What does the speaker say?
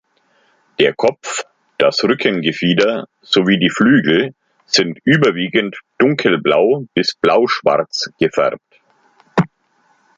Der Kopf, das Rückengefieder sowie die Flügel sind überwiegend dunkelblau bis blauschwarz gefärbt.